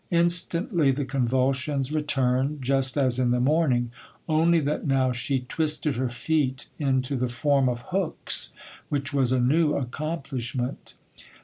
Instantly the convulsions returned, just as in the morning, only that now she twisted her feet into the form of hooks, which was a new accomplishment.